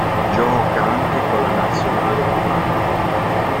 Gioca anche con la nazionale cubana.